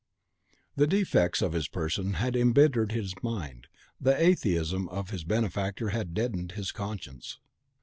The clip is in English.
The defects of his person had embittered his mind; the atheism of his benefactor had deadened his conscience.